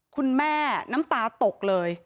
คุณแม่น้ำตาตกเลย